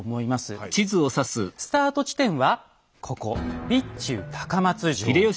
スタート地点はここ備中高松城。